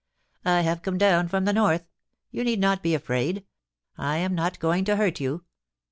* I have come down from the North. You need not be afraid. I am not going to hurt you.